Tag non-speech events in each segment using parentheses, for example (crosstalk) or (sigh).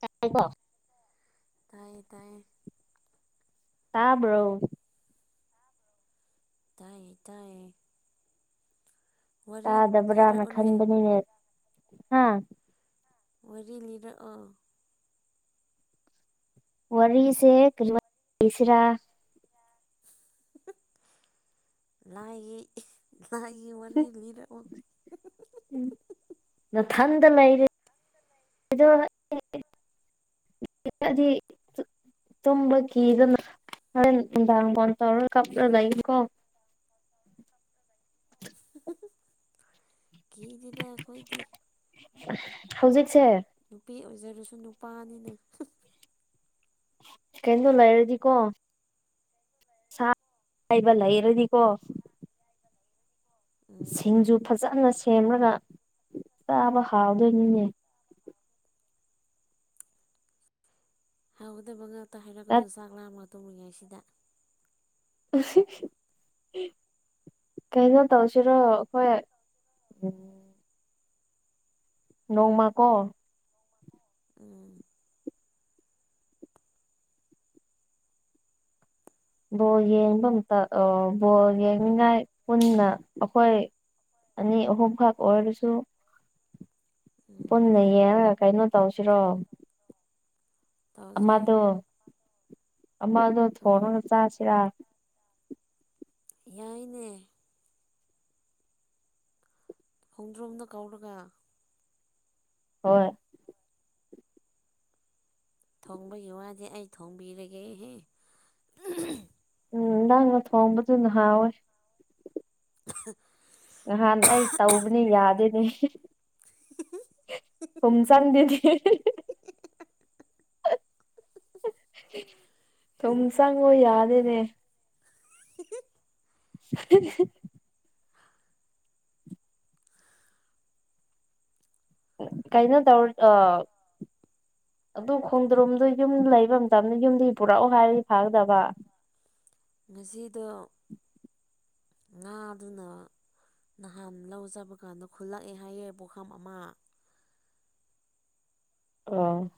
ꯇꯥꯏ ꯀꯣ ꯇꯥꯏꯌꯦ ꯇꯥꯏꯌꯦ ꯇꯥꯕ꯭ꯔꯣ ꯇꯥꯏꯌꯦ ꯇꯥꯏꯌꯦ ꯋꯥꯔꯤ ꯇꯥꯗꯕ꯭ꯔꯥꯅ ꯂꯤꯔꯛꯑꯣꯅꯦ ꯈꯟꯕꯅꯤꯅꯦ ꯍꯥꯥ ꯋꯥꯔꯤ ꯂꯤꯔꯛꯑꯣ ꯋꯥꯔꯤꯁꯦ ꯀꯔꯤ ꯋꯥꯔꯤ ꯂꯤꯁꯤꯔꯥ (unintelligible) ꯂꯥꯏꯒꯤ ꯂꯥꯏꯒꯤ ꯋꯥꯔꯤ ꯂꯤꯔꯛꯑꯣ (unintelligible) ꯎꯝ ꯅꯊꯟꯗ ꯂꯩꯔꯤꯗꯣ (unintelligible) ꯇꯨꯝꯕ ꯀꯤꯗꯅ ꯍꯣꯔꯦꯟ ꯅꯨꯡꯗꯥꯡ ꯐꯣꯟ ꯇꯧꯔ ꯀꯞꯂ ꯂꯩꯅꯨꯀꯣ ꯀꯤꯗꯦꯗꯥ ꯑꯩꯈꯣꯏꯗꯤ ꯑꯁ ꯍꯧꯖꯤꯛꯁꯦ ꯅꯨꯄꯤ ꯑꯣꯏꯖꯔꯁꯨ ꯅꯨꯄꯥꯅꯤꯅ ꯀꯩꯅꯣ ꯂꯩꯔꯗꯤꯀꯣ (unintelligible) ꯍꯩꯕ ꯂꯩꯔꯗꯤꯀꯣ ꯎꯝ ꯁꯤꯡꯖꯨ ꯐꯖꯅ ꯁꯦꯝꯂꯒ ꯆꯥꯕ ꯍꯥꯎꯗꯣꯏꯅꯤꯅꯦ ꯍꯥꯎꯒꯗꯕ ꯉꯥꯛꯇ ꯍꯥꯏꯔꯛꯀꯅꯨ ꯆꯥꯛ ꯂꯥꯝꯃ ꯇꯨꯝꯃꯤꯉꯩꯁꯤꯗ (unintelligible) ꯀꯩꯅꯣ ꯇꯧꯁꯤꯔꯣ ꯑꯩꯈꯣꯏ ꯎꯝ ꯅꯣꯡꯃ ꯀꯣ ꯎꯝ ꯕꯣꯜ ꯌꯦꯡꯕ ꯃꯇꯝ ꯑꯥ ꯕꯣꯜ ꯌꯦꯡꯅꯤꯉꯥꯏ ꯄꯨꯟꯅ ꯑꯩꯈꯣꯏ ꯑꯅꯤ ꯑꯍꯨꯝ ꯈꯛ ꯑꯣꯏꯔꯁꯨ ꯎꯝ ꯄꯨꯟꯅ ꯌꯦꯡꯉꯒ ꯀꯩꯅꯣ ꯇꯧꯁꯤꯔꯣ ꯇꯧꯁꯦ ꯑꯃꯗꯣ ꯑꯃꯗꯣ ꯎꯝ ꯊꯣꯡꯉꯒ ꯆꯥꯁꯤꯔꯥ ꯌꯥꯏꯅꯦ ꯍꯣꯡꯗ꯭ꯔꯣꯡꯗꯣ ꯀꯧꯔꯒ ꯍꯣꯏ ꯊꯣꯡꯕꯒꯤ ꯋꯥꯗꯤ ꯑꯩ ꯊꯣꯡꯕꯤꯔꯒꯦꯍꯦ (unintelligible) ꯎꯝ ꯅꯪꯅ ꯊꯣꯡꯕꯗꯨꯅ ꯍꯥꯎꯋꯦ (unintelligible) ꯉꯍꯥꯟ ꯑꯩ ꯇꯧꯕꯅꯦ ꯌꯥꯗꯦꯅꯦ ꯊꯨꯝ ꯆꯪꯗꯗꯤ (unintelligible) ꯊꯨꯝ ꯆꯪꯉꯣ ꯌꯥꯗꯦꯅꯦ (unintelligible) (unintelligible) ꯀꯩꯅꯣ ꯇꯧ ꯑꯥ ꯑꯗꯨ ꯈꯣꯡꯗ꯭ꯔꯨꯝꯗꯨ ꯌꯨꯝꯗ ꯂꯩꯕ ꯃꯇꯝꯗ ꯌꯨꯝꯗꯒꯤ ꯄꯨꯔꯛꯑꯣ ꯍꯥꯏꯔꯗꯤ ꯐꯥꯒꯗꯕ ꯉꯁꯤꯗꯣ ꯉꯥꯗꯨꯅ ꯅꯍꯥꯟ ꯂꯧ ꯆꯠꯄ ꯀꯥꯟꯗ ꯈꯨꯜꯂꯛꯑꯦ ꯍꯥꯏꯌꯦ ꯄꯨꯛꯈꯝ ꯑꯃ (unintelligible)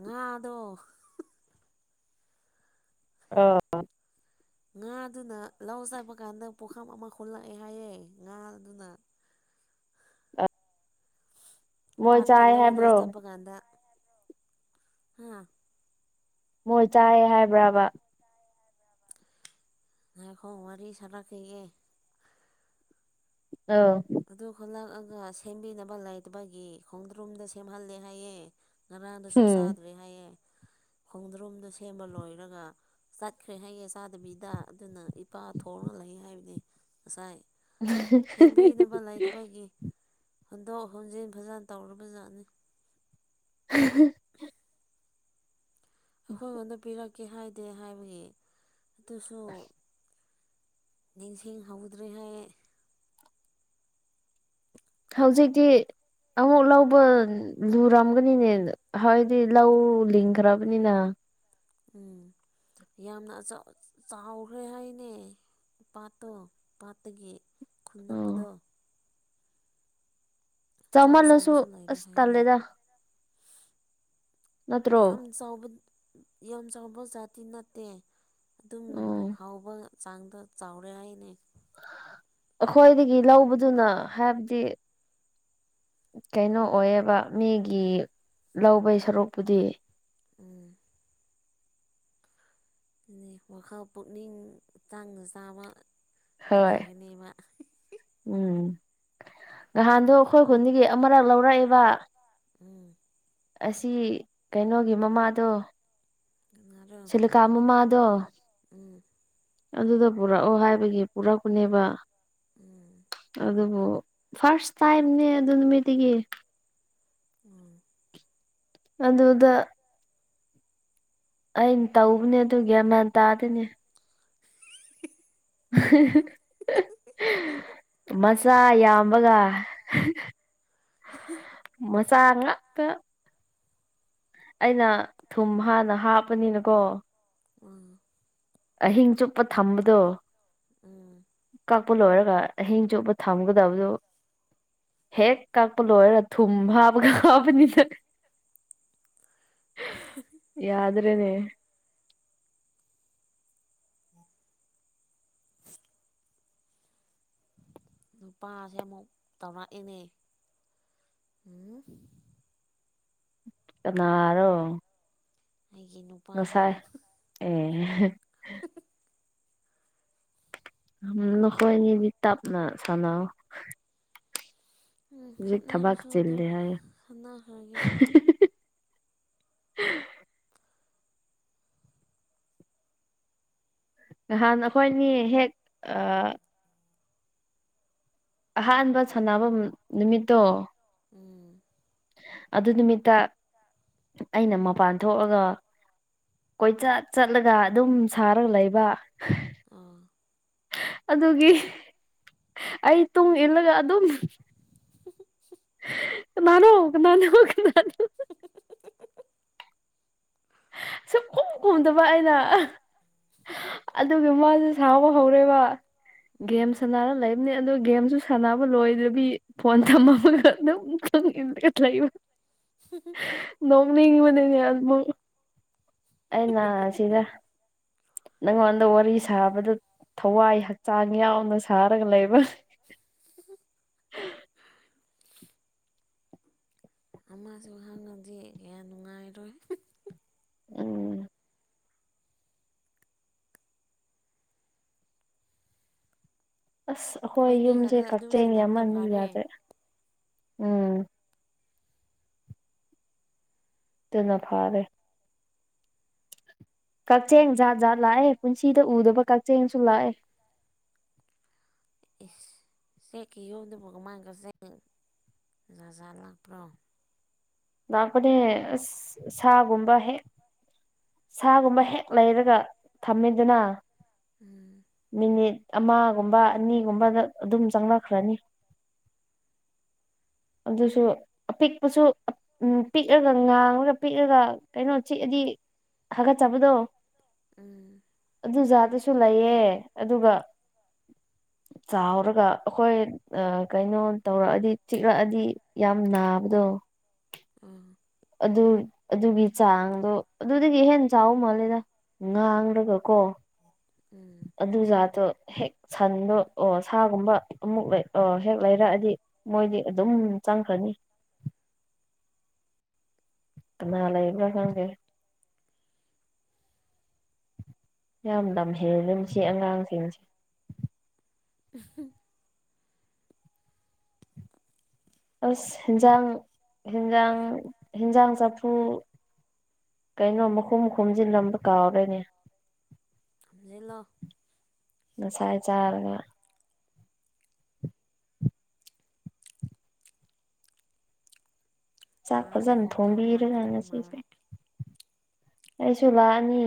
ꯉꯥ ꯗꯣ ꯑ (inaudible) ꯉꯥꯗꯨꯅ ꯂꯧ ꯆꯠꯄ ꯀꯥꯟꯗ ꯄꯨꯛꯈꯝ ꯑꯃ ꯈꯨꯜꯂꯛꯑꯦ ꯍꯥꯏꯌꯦ ꯉꯥꯗꯨꯅ (inaudible) ꯃꯣꯏ ꯄꯥꯠꯀꯤ ꯆꯥꯏ ꯂꯧꯗꯨ ꯍꯥꯏꯕ꯭ꯔꯣ ꯆꯠꯄ ꯀꯥꯟꯗ (unintelligible) ꯍꯥ ꯃꯣꯏ ꯆꯥꯏꯌꯦ ꯍꯥꯏꯕ꯭ꯔꯥꯕ ꯉꯥꯏꯈꯣ ꯋꯥꯔꯤ ꯁꯥꯔꯛꯈꯤꯒꯦ ꯑꯧ ꯑꯗꯨ ꯈꯨꯜꯂꯛꯑꯒ ꯁꯦꯝꯕꯤꯅꯕ ꯂꯩꯇꯕꯒꯤ ꯈꯣꯡꯗ꯭ꯔꯨꯝꯗ ꯁꯦꯝꯍꯜꯂꯦ ꯍꯥꯏꯌꯦ ꯉꯔꯥꯡꯗꯁꯨ ꯍꯝ ꯆꯥꯗ꯭ꯔꯦ ꯍꯥꯏꯌꯦ ꯈꯣꯡꯗ꯭ꯔꯨꯝꯗꯣ ꯁꯦꯝꯕ ꯂꯣꯏꯔꯒ ꯆꯠꯈ꯭ꯔꯦ ꯍꯥꯏꯌꯦ ꯆꯥꯗꯕꯤꯗ ꯑꯗꯨꯅ ꯏꯄꯥ ꯊꯣꯡꯉꯒ ꯂꯩꯌꯦ ꯍꯥꯏꯕꯅꯤ ꯉꯁꯥꯏ ꯁꯦꯝꯕꯤꯅꯕ (unintelligible) ꯂꯩꯇꯕꯒꯤ ꯍꯣꯟꯗꯣꯛ ꯍꯣꯟꯖꯤꯟ ꯐꯖꯅ ꯇꯧꯔꯕꯖꯥꯠꯅꯤ (unintelligible) ꯑꯩꯈꯣꯏꯉꯣꯟꯗ ꯄꯤꯔꯛꯀꯦ ꯍꯥꯏꯗꯦ ꯍꯥꯏꯕꯒꯤ ꯑꯗꯨꯁꯨ ꯅꯤꯡꯁꯤꯡ ꯍꯧꯗ꯭ꯔꯦ ꯍꯥꯏꯌꯦ ꯍꯧꯖꯤꯛꯇꯤ ꯑꯃꯨꯛ ꯂꯧꯕ ꯂꯨꯔꯝꯒꯅꯤꯅꯦ ꯍꯥꯏꯗꯤ ꯂꯧ ꯂꯤꯡꯈ꯭ꯔꯕꯅꯤꯅ ꯎꯝ ꯌꯥꯝꯅ ꯆꯥꯎꯈ꯭ꯔꯦ ꯍꯥꯏꯅꯦ ꯄꯥꯠꯇꯣ ꯄꯥꯠꯇꯒꯤ ꯈꯨꯟ ꯑꯣ ꯅꯞꯄꯗꯣ ꯑꯆꯧ ꯆꯥꯎꯃꯜꯂꯁꯨ ꯑꯆꯧꯕꯁꯨ ꯂꯩꯔꯦ ꯑꯁ ꯍꯥꯏꯅꯦ ꯇꯜꯂꯦꯗ ꯅꯠꯇ꯭ꯔꯣ ꯌꯥꯝ ꯆꯥꯎ ꯌꯥꯝ ꯆꯥꯎꯕ ꯖꯥꯇꯤ ꯅꯠꯇꯦ ꯑꯗꯨꯝ ꯎꯝ ꯍꯥꯎꯕ ꯆꯥꯡꯗ ꯆꯥꯎꯔꯦ ꯍꯥꯏꯅꯦ ꯑꯩꯈꯣꯏꯗꯒꯤ ꯂꯧꯕꯗꯨꯅ ꯍꯥꯏꯕꯗꯤ ꯀꯩꯅꯣ ꯑꯣꯏꯑꯕ ꯃꯤꯒꯤ ꯂꯧꯕꯒꯤ ꯁꯔꯨꯛꯄꯨꯗꯤ ꯎꯝ ꯋꯥꯈꯜ ꯄꯨꯛꯅꯤꯡ ꯆꯥꯡꯅ ꯆꯥꯕ ꯍꯣꯏ ꯅꯨꯡꯉꯥꯏꯒꯅꯦꯕ ꯎꯝ ꯉꯍꯥꯟꯗꯣ ꯑꯩꯈꯣꯏ ꯈꯨꯟꯒꯤ ꯑꯃꯔꯛ ꯂꯧꯔꯛꯏꯕ ꯎꯝ ꯑꯁꯤ ꯀꯩꯅꯣꯒꯤ ꯃꯃꯥꯗꯣ ꯀꯅꯥꯔꯣ ꯁꯤꯂꯤꯀꯥ ꯃꯃꯥꯗꯣ ꯎꯝ ꯑꯗꯨꯗ ꯄꯨꯔꯛꯑꯣ ꯍꯥꯏꯕꯒꯤ ꯄꯨꯔꯛꯄꯅꯦꯕ ꯎꯝ ꯑꯗꯨꯕꯨ ꯐꯔꯁ ꯇꯥꯏꯝꯅꯦ ꯑꯗꯨ ꯅꯨꯃꯤꯠꯇꯒꯤ ꯎꯝ ꯑꯗꯨꯗ ꯑꯩꯅ ꯇꯧꯕꯅꯦ ꯑꯗꯨ ꯒꯌ꯭ꯥꯟ ꯃꯟ ꯇꯥꯗꯦꯅꯦ (unintelligible) ꯃꯆꯥ ꯌꯥꯝꯕꯒ ꯃꯆꯥꯥꯥꯉꯥꯛꯇ ꯑꯩꯅ ꯊꯨꯝ ꯍꯥꯟꯅ ꯍꯥꯞꯄꯅꯤꯅꯀꯣ ꯎꯝ ꯑꯍꯤꯡ ꯆꯨꯞꯄ ꯊꯝꯕꯗꯣ ꯎꯝ ꯀꯥꯛꯄ ꯂꯣꯏꯔꯒ ꯑꯍꯤꯡ ꯆꯨꯞꯄ ꯊꯝꯒꯗꯕꯗꯨ ꯍꯦꯛ ꯀꯥꯛꯄ ꯂꯣꯏꯔꯒ ꯊꯨꯝ ꯍꯥꯕꯒ (unintelligible) ꯌꯥꯗ꯭ꯔꯦꯅꯦ (unintelligible) ꯅꯨꯄꯥꯁꯦ ꯑꯃꯨꯛ ꯇꯧꯔꯛꯏꯅꯦ ꯎꯝ ꯀꯅꯥꯔꯣ ꯑꯩꯒꯤ ꯅꯨ ꯉꯁꯥꯏ ꯑꯦ (unintelligible) ꯎ ꯅꯈꯣꯏꯅꯤꯗꯤ ꯇꯞꯅ ꯁꯥꯟꯅꯧ ꯎꯝ ꯍꯧꯖꯤꯛ ꯊꯕꯛ ꯈꯠꯅꯔꯁꯨ ꯑꯗꯨꯝ ꯆꯤꯜꯂꯦ ꯍꯥꯏꯌꯦ ꯈꯠꯅꯈ꯭ꯔꯒꯦ ꯅꯍꯥꯟ ꯑꯩꯈꯣꯏꯅꯤ ꯍꯦꯛ ꯑꯍꯥꯟꯕ ꯁꯥꯟꯐꯝ ꯅꯨꯃꯤꯠꯇꯣ ꯎꯝ ꯑꯗꯨ ꯅꯨꯃꯤꯠꯇ ꯑꯩꯅ ꯃꯄꯥꯟ ꯊꯣꯛꯑꯒ ꯀꯣꯏꯆꯠ ꯆꯠꯂꯒ ꯑꯗꯨꯝ ꯁꯥꯔꯒ ꯂꯩꯕ ꯑꯥ ꯑꯗꯨꯒꯤ ꯑꯩ ꯇꯨꯡ ꯏꯜꯂꯒ ꯑꯗꯨꯝ ꯀꯅꯥꯅꯣ ꯀꯅꯥꯅꯣ ꯀꯅꯥꯅꯣ (inaudible) ꯈꯨꯝ ꯈꯣꯡꯗꯕ ꯑꯩꯅꯥ (unintelligible) ꯑꯗꯨꯒꯤ ꯃꯥꯁꯦ ꯁꯥꯎꯕ ꯍꯧꯔꯦꯕ ꯎꯝ ꯒꯦꯝ ꯁꯅꯥꯔ ꯂꯩ ꯑ ꯒꯦꯝꯁꯨ ꯁꯥꯟꯅꯕ ꯂꯣꯏꯗ꯭ꯔꯕꯤ ꯐꯣꯟ ꯊꯝꯃꯃꯒ ꯑꯗꯨꯝ ꯇꯨꯡ ꯏꯜꯂꯒ ꯂꯩꯕ (unintelligible) ꯅꯣꯛꯅꯤꯡꯕꯅꯤꯅꯦ ꯑꯗꯨꯝ ꯑꯩꯅ ꯁꯤꯗ ꯅꯉꯣꯟꯗ ꯋꯥꯔꯤ ꯁꯥꯕꯗ ꯊꯋꯥꯏ ꯍꯛꯆꯥꯡ ꯌꯥꯎꯅ ꯁꯥꯔꯒ ꯂꯩꯕ꯭ꯔ (unintelligible) ꯑꯃꯁꯨ ꯍꯥꯡꯉꯗꯤ ꯌꯥꯝ ꯅꯨꯡꯉꯥꯏꯔꯣꯏ ꯎꯝ ꯑꯁ ꯑꯩꯈꯣꯏ ꯑꯩꯈꯣꯏꯅꯤ ꯌꯨꯝꯁꯦ ꯈꯛꯇ ꯑꯗꯨꯝ ꯀꯛꯆꯦꯡ ꯁꯥꯟꯅꯕꯅ ꯌꯝꯃꯥꯟꯕꯒꯤ ꯐꯔꯦ ꯌꯥꯗꯩ ꯎꯝ ꯑꯗꯨꯅ ꯐꯥꯔꯦ ꯀꯛꯆꯦꯡ ꯖꯥꯠ ꯖꯥꯠ ꯂꯥꯛꯑꯦ ꯄꯨꯟꯁꯤꯗ ꯎꯗꯕ ꯀꯛꯆꯦꯡꯁꯨ ꯂꯥꯛꯑꯦ ꯑꯦꯁ ꯆꯦꯛꯀꯤ ꯌꯨꯝ ꯗꯨꯕꯨ ꯀꯃꯥꯏ ꯀꯛꯆꯦꯡ ꯖꯥꯠ ꯖꯥꯠ ꯂꯥꯛꯄ꯭ꯔꯣ ꯂꯥꯛꯄꯅꯦ ꯑꯁ ꯁꯥꯒꯨꯝꯕ ꯍꯦꯛ ꯁꯥꯒꯨꯝꯕ ꯍꯦꯛ ꯂꯩꯔꯒ ꯊꯝꯃꯤꯗꯅ ꯎꯝ ꯃꯤꯅꯤꯠ ꯑꯃꯒꯨꯝꯕ ꯑꯅꯤꯒꯨꯝꯕꯗ ꯑꯗꯨꯝ ꯆꯪꯂꯛꯈ꯭ꯔꯅꯤ ꯑꯗꯨꯁꯨ ꯑꯄꯤꯛꯄꯁꯨ ꯎ ꯄꯤꯛꯑꯒ ꯉꯥ ꯅꯒ ꯄꯤꯛꯂꯒ ꯀꯩꯅꯣ ꯆꯤꯛꯑꯗꯤ ꯍꯥꯒꯠꯆꯕꯗꯣ ꯎꯝ ꯑꯗꯨꯖꯥꯗꯨꯁꯨ ꯂꯩꯌꯦ ꯑꯗꯨꯒ ꯆꯥꯎꯔꯒ ꯑꯩꯈꯣꯏ ꯀꯩꯅꯣ ꯇꯧꯔꯛꯑꯗꯤ ꯆꯤꯛꯂꯛꯑꯗꯤ ꯌꯥꯝ ꯅꯥꯕꯗꯣ ꯑꯥ ꯑꯗꯨ ꯑꯗꯨꯒꯤ ꯆꯥꯡꯗꯣ ꯑꯗꯨꯗꯒꯤ ꯍꯦꯟ ꯆꯥꯎ ꯃꯥꯜꯂꯦꯗ ꯉꯥꯡꯂꯒ ꯀꯣ ꯎꯝ ꯑꯗꯨꯖꯥꯠꯇꯣ ꯍꯦꯛ ꯁꯟꯗꯣ ꯑꯣ ꯁꯥꯒꯨꯝꯕ ꯑꯃꯨꯛ ꯑꯣ ꯍꯦꯛ ꯂꯩꯔꯛꯑꯗꯤ ꯃꯣꯏꯗꯤ ꯑꯗꯨꯝ ꯆꯪꯈꯅꯤ ꯀꯅꯥ ꯂꯩꯕꯔꯥ ꯉꯪꯗꯦ ꯌꯥꯝ ꯂꯝꯍꯦꯜꯂꯦ ꯃꯥꯁꯤ ꯑꯉꯥꯡꯁꯤꯡꯁꯦ ꯎ (unintelligible) ꯑꯁ ꯍꯦꯟꯖꯥꯡ ꯍꯦꯟꯖꯥꯡ ꯍꯦꯟꯖꯥꯡ ꯆꯐꯨ ꯀꯩꯅꯣ ꯃꯈꯨꯝ ꯈꯨꯝꯖꯤꯜꯂꯝꯕ ꯀꯥꯎꯔꯅꯦ ꯈꯨꯝꯖꯤꯜꯂꯣ ꯉꯁꯥꯏ ꯆꯥꯔꯒ ꯆꯥꯛ ꯊꯥꯒꯤ ꯐꯖꯅ ꯈꯣꯡꯀꯥꯞ ꯊꯣꯝꯕꯤꯔꯒꯥ ꯂꯥꯛꯀꯗꯕ ꯉꯁꯤꯁꯦ ꯃꯥꯜꯂꯦ ꯑꯩꯁꯨ ꯂꯥꯛꯑꯅꯤ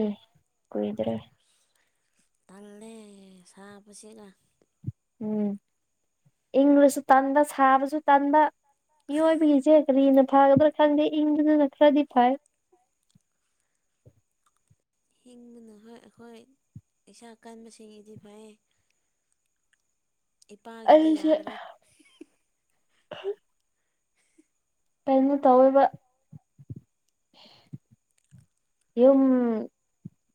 ꯀꯨꯏꯗ꯭ꯔꯦ ꯇꯜꯂꯦ ꯁꯥꯕꯁꯤꯒ ꯎꯝ ꯏꯪꯂꯁꯨ ꯇꯟꯕ ꯁꯥꯕꯁꯨ ꯇꯟꯕ ꯃꯤꯑꯣꯏꯕꯒꯤꯁꯦ ꯀꯔꯤꯅ ꯐꯒꯗ꯭ꯔꯥ ꯈꯪꯗꯦ ꯏꯪꯗꯨꯗꯨꯅ ꯈꯔꯗꯤ ꯐꯩ ꯏꯡꯕꯅ ꯍꯣꯏ ꯑꯩꯈꯣꯏ ꯏꯁꯥ ꯀꯟꯕꯁꯤꯡꯗꯤ ꯐꯩ (inaudible) ꯏꯄꯥꯒꯤꯗꯤ ꯑꯩꯁꯦ ꯌꯥꯗ꯭ꯔꯦ ꯀꯩꯅꯣ ꯇꯧꯋꯦꯕ ꯌꯨꯝ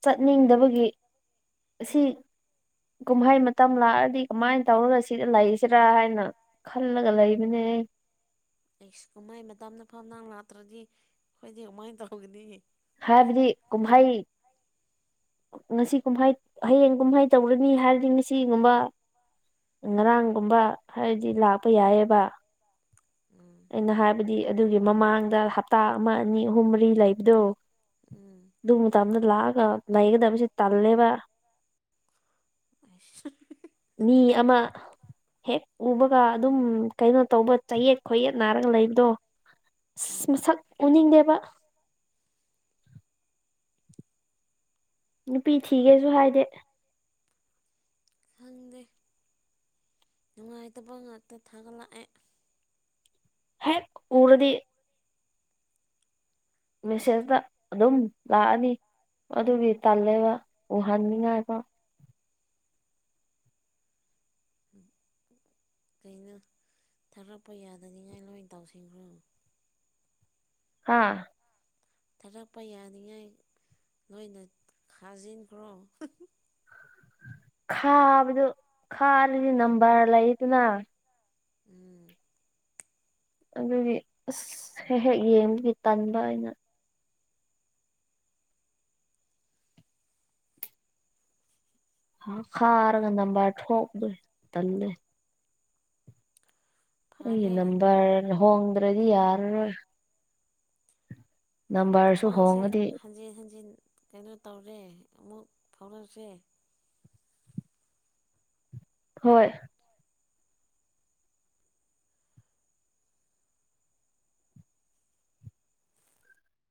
ꯆꯠꯅꯤꯡꯗꯕꯒꯤ ꯑꯁꯤ ꯀꯨꯝꯍꯩ ꯃꯇꯝ ꯂꯥꯛꯑꯗꯤ ꯀꯃꯥꯏꯅ ꯇꯧꯔꯒ ꯁꯤꯗ ꯂꯩꯁꯤꯔꯥ ꯍꯥꯏꯅ ꯈꯜꯂꯒ ꯂꯩꯕꯅꯦ ꯑꯁ ꯀꯨꯝꯍꯥꯏ ꯃꯇꯝꯅꯐꯧ ꯅꯪ ꯂꯥꯛꯇ꯭ꯔꯗꯤ ꯑꯩꯈꯣꯏꯗꯤ ꯀꯃꯥꯏꯅ ꯇꯧꯒꯅꯤ ꯍꯥꯏꯕꯗꯤ ꯀꯨꯝꯍꯩ ꯉꯁꯤ ꯀꯨꯝꯍꯩ ꯍꯌꯦꯡ ꯀꯨꯝꯍꯩ ꯇꯧꯔꯅꯤ ꯍꯥꯏꯔꯗꯤ ꯉꯁꯤꯒꯨꯝꯕ ꯉꯔꯥꯡꯒꯨꯝꯕ ꯍꯥꯏꯗꯤ ꯂꯥꯛꯄ ꯌꯥꯏ ꯑꯦꯕ ꯎꯝ ꯑꯩꯅ ꯍꯥꯏꯕꯗꯤ ꯑꯗꯨꯒꯤ ꯃꯃꯥꯡꯗ ꯍꯞꯇꯥ ꯑꯃ ꯑꯅꯤ ꯑꯍꯨꯝ ꯃꯔꯤ ꯂꯩꯕꯗꯣ ꯎꯝ ꯑꯗꯨ ꯃꯇꯝꯗ ꯂꯥꯛꯑꯒ ꯂꯩꯒꯗꯕꯁꯤ ꯇꯜꯂꯦꯕ ꯑꯁ ꯃꯤ ꯑꯃ ꯍꯦꯛ ꯎꯕꯒ ꯑꯗꯨꯝ ꯀꯩꯅꯣ ꯇꯧꯕ ꯆꯌꯦꯠ ꯈꯣꯏꯌꯦꯠ ꯅꯥꯔꯒ ꯂꯩꯕꯗꯣ ꯑꯁ ꯎꯝ ꯃꯁꯛ ꯎꯅꯤꯡꯗꯦꯕ ꯅꯨꯄꯤ ꯊꯤꯒꯦꯁꯨ ꯍꯥꯏꯗꯦ ꯈꯪꯗꯦ ꯅꯨꯡꯉꯥꯏꯇꯕ ꯉꯥꯛꯇ ꯊꯥꯒꯠꯂꯛꯑꯦ ꯍꯦꯛ ꯎꯔꯗꯤ ꯃꯦꯁꯦꯁꯇ ꯑꯗꯨꯝ ꯂꯥꯛꯑꯅꯤ ꯑꯗꯨꯒꯤ ꯇꯜꯂꯦꯕ ꯎꯍꯟꯅꯤꯡꯉꯥꯏꯕꯧ ꯀꯩꯅꯣ ꯊꯥꯔꯛꯄ ꯌꯥꯗꯅꯤꯡꯉꯥꯏ ꯂꯣꯏ ꯇꯧꯁꯤꯟꯈ꯭ꯔꯣ ꯍꯥꯥ ꯊꯥꯔꯛꯄ ꯌꯥꯅꯤꯡꯉꯥꯏ ꯅꯣꯏꯅ ꯈꯥꯖꯤꯟꯈ꯭ꯔꯣ ꯈꯥꯕꯗꯣ ꯈꯥꯔꯗꯤ ꯅꯝꯕꯔ ꯂꯩꯗꯅ ꯎꯝ ꯑꯗꯨꯒꯤ ꯑꯁ ꯍꯦꯛ ꯍꯦꯛ ꯌꯦꯡꯕꯒꯤ ꯇꯟꯕ ꯑꯩꯅ ꯈꯥꯔꯒ ꯅꯝꯕꯔ ꯊꯣꯛꯂꯦ ꯇꯜꯂꯦ (inaudible) ꯑꯩ ꯅꯝꯕꯔ ꯍꯣꯡꯗ꯭ꯔꯗꯤ ꯌꯥꯔꯔꯣꯏ ꯅꯝꯕꯔꯁꯨ ꯅꯨꯄꯥꯁꯦ ꯍꯣꯡꯉꯗꯤ ꯍꯟꯖꯤꯟ ꯍꯟꯖꯤꯟ ꯀꯩꯅꯣ ꯇꯧꯔꯦ ꯑꯃꯨꯛ ꯐꯥꯎꯔꯛꯁꯦ ꯍꯣꯏ